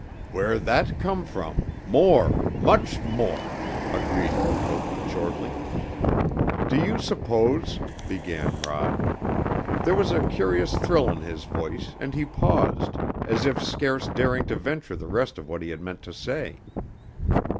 "Where that come from more, much more," agreed Mukoki shortly. "Do you suppose " began Rod. There was a curious thrill in his voice, and he paused, as if scarce daring to venture the rest of what he had meant to say.